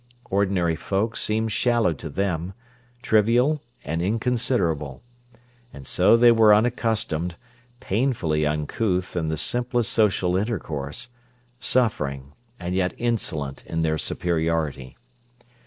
Ordinary folk seemed shallow to them, trivial and inconsiderable. And so they were unaccustomed, painfully uncouth in the simplest social intercourse, suffering, and yet insolent in their superiority.